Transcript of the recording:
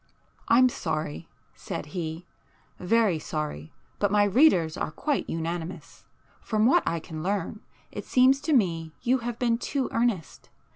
"I'm sorry," said he, "very sorry, but my readers are quite unanimous. From what I can learn, it seems to me you have been too earnest.